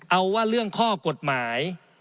เอาว่าเรื่องข้อกฎหมาย